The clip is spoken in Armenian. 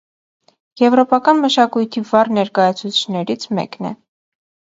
Եվրոպական մշակույթի վառ ներկայացուցիչներից մեկն է։